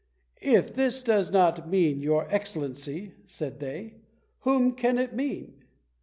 "If this does not mean your Excellency," said they, "whom can it mean?"